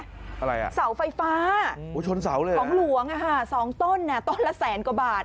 อะไรน่ะสาวไฟฟ้าของหลวงค่ะสองต้นต้นละแสนกว่าบาท